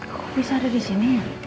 kok bisa ada disini ya